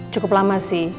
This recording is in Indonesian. cukup lama sih